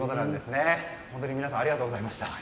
本当に皆さんありがとうございました。